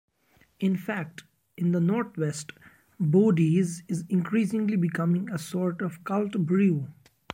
In fact, in the North-West, Boddies is increasingly becoming a sort of cult brew.